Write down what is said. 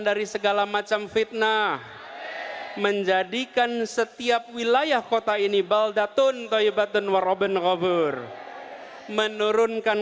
dari segala macam fitnah menjadikan setiap wilayah kota ini baldatun toybatun warobin khabur menurunkan